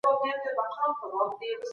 مرګ د هر ژوندي موجود وروستی پړاو دی.